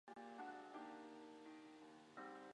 红色及绿色分别表示建制派及泛民主派。